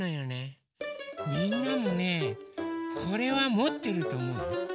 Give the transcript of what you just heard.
みんなもねこれはもってるとおもうよ。